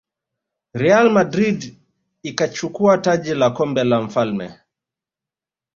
real madrid ikachukua taji la kombe la mfalme